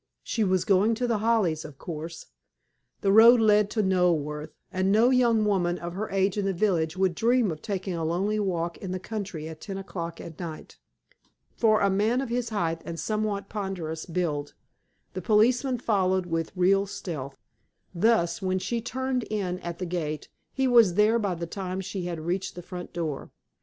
She was going to The Hollies, of course. The road led to Knoleworth, and no young woman of her age in the village would dream of taking a lonely walk in the country at ten o'clock at night. For a man of his height and somewhat ponderous build, the policeman followed with real stealth. Thus, when she turned in at the gate, he was there by the time she had reached the front door.